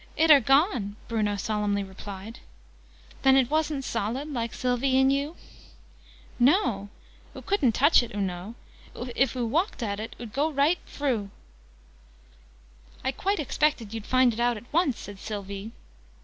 "It are gone!" Bruno solemnly replied. "Then it wasn't solid, like Sylvie and you?" "No. Oo couldn't touch it, oo know. If oo walked at it, oo'd go right froo!" "I quite expected you'd find it out, once," said Sylvie.